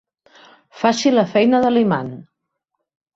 Faci la feina de l'imant.